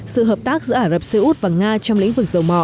sự hợp tác giữa ả rập xê út và nga trong lĩnh vực dầu mỏ